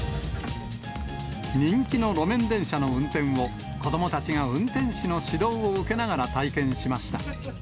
人気の路面電車の運転を、子どもたちが運転士の指導を受けながら体験しました。